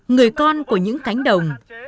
người con của những cánh đồng